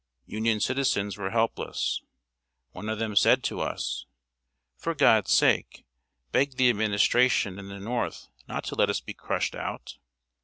Union citizens were helpless. One of them said to us: "For God's sake, beg the Administration and the North not to let us be crushed out!"